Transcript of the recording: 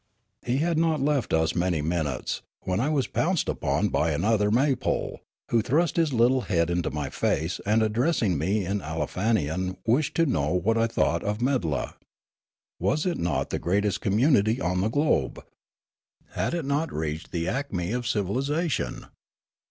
He had not left us many minutes, when I was pounced upon by another May pole, who thrust his little head into my face and addressing me in Aleofanian wished to know what I thought of Meddla. Was it not the greatest communit}^ on the globe ? Had it not reached the acme of civilisation